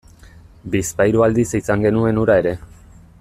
Bizpahiru aldiz izan genuen hura ere.